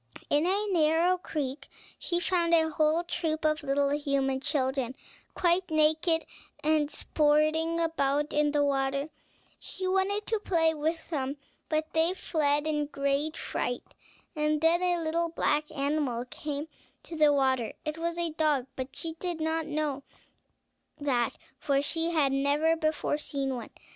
In a narrow creek she found a whole troop of little human children, quite naked, and sporting about in the water; she wanted to play with them, but they fled in a great fright; and then a little black animal came to the water; it was a dog, but she did not know that, for she had never before seen one.